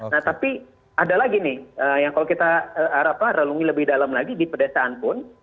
nah tapi ada lagi nih yang kalau kita relungi lebih dalam lagi di pedesaan pun